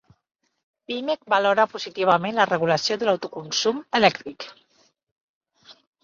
Pimec valora positivament la regulació de l'autoconsum elèctric